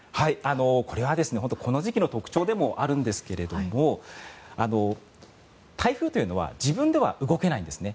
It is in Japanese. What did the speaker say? これはこの時期の特徴でもあるんですが台風というのは自分では動けないんですね。